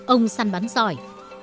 ông săn bắn giỏi